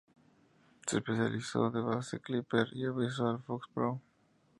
Se especializó en dBase, Clipper, y Visual FoxPro.